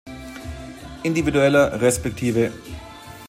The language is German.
Individueller resp.